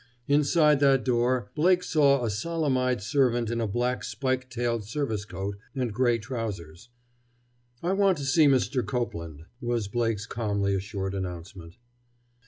Inside that door Blake saw a solemn eyed servant in a black spiked tailed service coat and gray trousers. "I want to see Mr. Copeland," was Blake's calmly assured announcement.